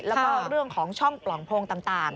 แล้วก็เรื่องของช่องปล่องโพงต่าง